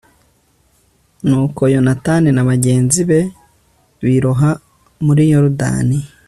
nuko yonatani na bagenzi be biroha muri yorudani